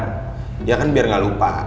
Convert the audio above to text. dia kan biar gak lupa